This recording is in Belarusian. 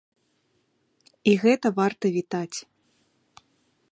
І гэта варта вітаць.